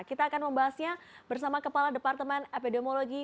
kita akan membahasnya bersama kepala departemen epidemiologi